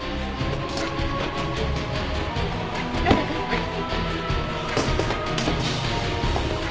はい。